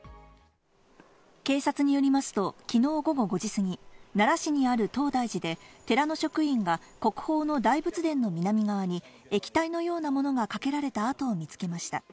警察によりますと昨日午後５時すぎ、奈良市にある東大寺で寺の職員が国宝の大仏殿の南側に液体のようなものがかけられた跡を見つけました。